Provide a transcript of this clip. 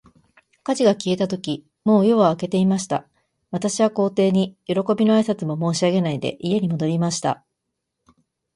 火事が消えたとき、もう夜は明けていました。私は皇帝に、よろこびの挨拶も申し上げないで、家に戻りました。